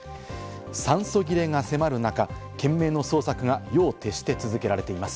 酸素切れが迫る中、懸命の捜索が夜を徹して続けられています。